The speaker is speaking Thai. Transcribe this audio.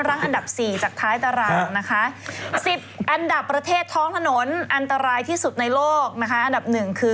เคยได้ยินแค่นี้เลยเนอะโดมิกานโอเค